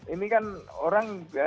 ini kan orang